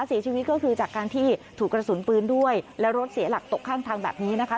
เสียชีวิตก็คือจากการที่ถูกกระสุนปืนด้วยและรถเสียหลักตกข้างทางแบบนี้นะคะ